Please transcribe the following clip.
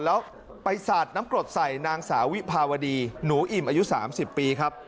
แล้วไปสาดน้ำกรดใส่นางสาววิภาวดีหนูอิ่มอายุ๓๐ปีครับ